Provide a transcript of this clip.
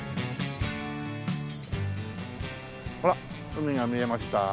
海が見えました。